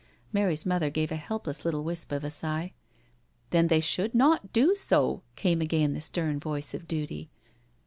Mary's mother gave a helpless little whisp of a sigh. " Then they should not do so," came again the stern voice of duty.